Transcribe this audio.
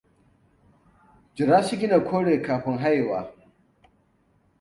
Jira siginar kore kafin shiga hayewa.